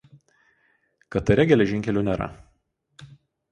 Katare geležinkelių nėra.